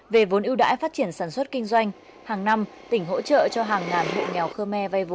về vốn ưu đãi phát triển sản xuất kinh doanh hàng năm tỉnh hỗ trợ cho hàng ngàn hộ nghèo khơ me vay vốn